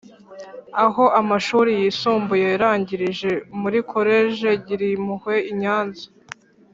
Aho amashuri yisumbuye yarangirije muri Collège Girimpuhwe I Nyanza